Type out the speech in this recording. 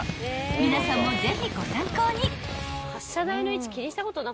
［皆さんもぜひご参考に］